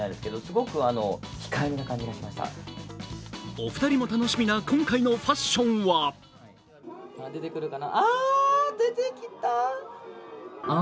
お二人も楽しみな今回のファッションはあ、出てきた。